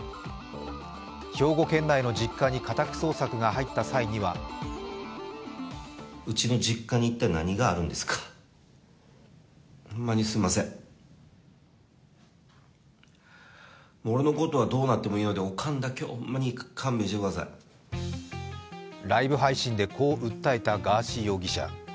兵庫県内の実家に家宅捜索が入った際にはライブ配信でこう訴えたガーシー容疑者。